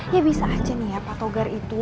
ya bisa aja nih ya pak togar itu